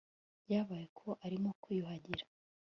Byabaye ko arimo kwiyuhagira